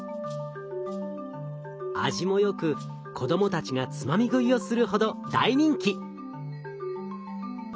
味もよく子どもたちがつまみ食いをするほど大人気。